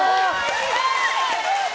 すごい！